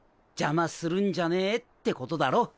邪魔するんじゃねえってことだろ？